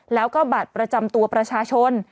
แล้วก็บัตรประจำตัวประชาชน